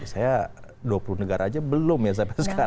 saya dua puluh negara aja belum ya sampai sekarang